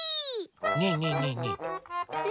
ねえねえねえねえ